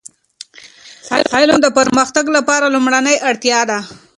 علم د پرمختګ لپاره لومړنی اړتیا ده.